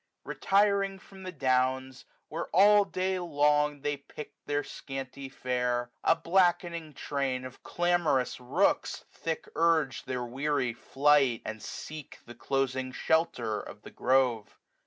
' RETiaiNG from the downs, where all day long WINTER. 181 They pick'd their scanty fare, a blackening train 140 Of clamorous rooks thick urge their weary flight. And seek the closing shelter of the grove.